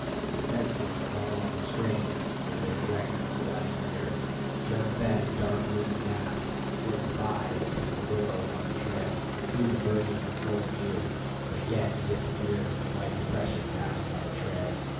The senses are all on the strain as they are directed to the left rear. Just then a dark moving mass flits by between the willows on the trail, and soon emerges in full view, but again to disappear in a slight depression passed by the trail.